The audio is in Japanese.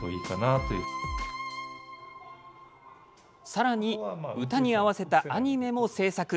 さらに歌に合わせたアニメも制作。